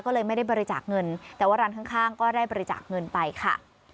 ก็เลยไม่ได้บริจาคเงินแต่ว่าร้านข้างก็ได้บริจาคเงินไปค่ะ